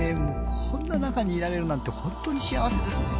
こんな中にいられるなんて本当に幸せですね。